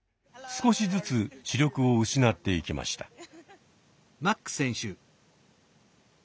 少しずつ視力を失っていきました。